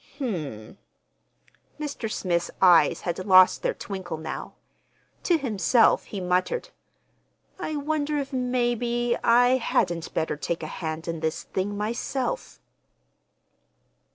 "Hm m!" Mr. Smith's eyes had lost their twinkle now. To himself he muttered: "I wonder if maybe—I hadn't better take a hand in this thing myself."